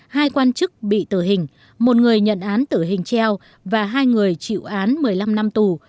hai quan chức bị tử hình một người nhận án tử hình treo và hai người chịu án một mươi năm năm tù